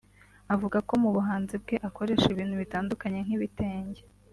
Avuga ko mu buhanzi bwe akoresha ibintu bitandukanye nk’ibitenge